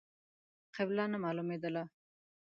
قبله نه مالومېدله.